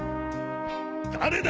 誰だ！